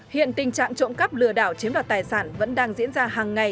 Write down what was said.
hiện tình trạng trộm cắp lừa đảo chiếm đoạt tài sản vẫn đang diễn ra hàng ngày